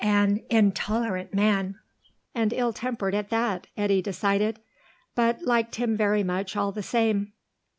An intolerant man, and ill tempered at that, Eddy decided, but liked him very much all the same.